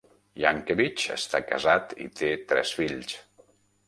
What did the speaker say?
Yankevich està casat i té tres fills.